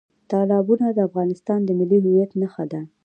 تالابونه د افغانستان د ملي هویت نښه ده.